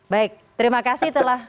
baik terima kasih telah